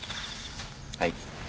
はい。